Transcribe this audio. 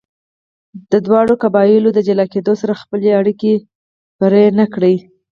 دواړو قبیلو د جلا کیدو سره خپلې اړیکې پرې نه کړې.